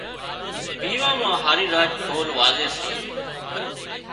ويوان مان هارِي راچ ڍول وازي سي